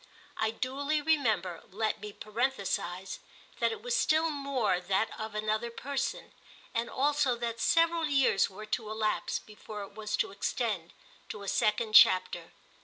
I duly remember, let me parenthesise, that it was still more that of another person, and also that several years were to elapse before it was to extend to a second chapter.